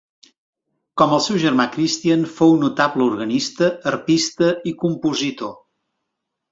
Com el seu germà Christian fou notable organista, arpista i compositor.